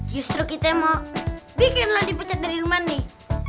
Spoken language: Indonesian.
justru kita mau bikin lu dipucat dari rumah nih